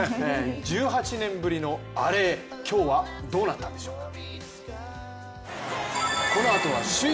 １８年ぶりのアレへ今日はどうなったんでしょうか。